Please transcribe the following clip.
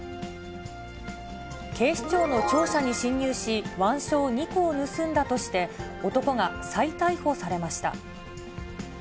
警視庁の庁舎に侵入し、腕章２個を盗んだとして、男が再逮捕されました。